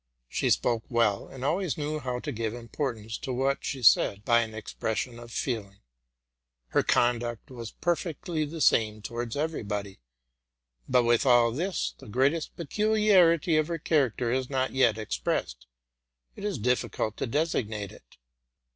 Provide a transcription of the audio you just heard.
She spoke well, and always knew how to give importance to what she said by an expres sion of feeling. Her conduct was perfectly the same towards everybody. But, with all this, the greatest peculiarity of her character is not yet expressed: it is diflicult to designate it.